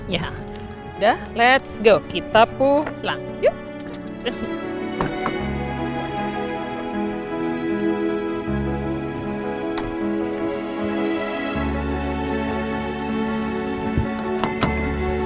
yaudah let's go kita pulang yuk